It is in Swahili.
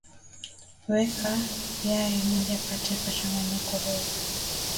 Weka yai moja katika mchanganyiko wako